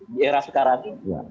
di era sekarang ini